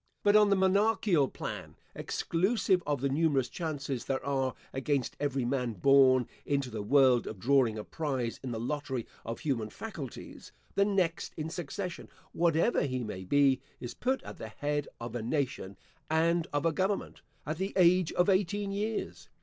But on the monarchial plan (exclusive of the numerous chances there are against every man born into the world, of drawing a prize in the lottery of human faculties), the next in succession, whatever he may be, is put at the head of a nation, and of a government, at the age of eighteen years.